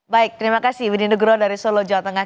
baik terima kasih widi nugro dari solo jawa tengah